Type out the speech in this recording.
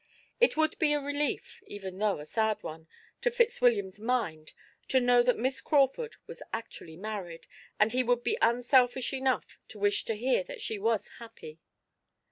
It would be a relief, even though a sad one, to Fitzwilliam's mind to know that Miss Crawford was actually married and he would be unselfish enough to wish to hear that she was happy.